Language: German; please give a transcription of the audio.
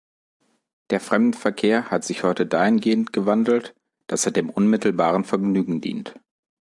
Der Fremdenverkehr hat sich heute dahin gehend gewandelt, dass er dem unmittelbaren Vergnügen dient.